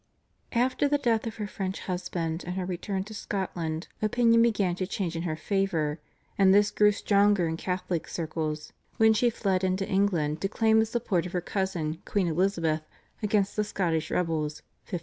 After the death of her French husband and her return to Scotland opinion began to change in her favour, and this grew stronger in Catholic circles, when she fled into England to claim the support of her cousin Queen Elizabeth against the Scottish rebels (1568).